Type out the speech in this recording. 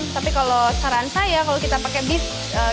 tapi kalau saran saya kalau kita pakai beef